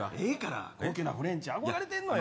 高級なフレンチ憧れてるのよ。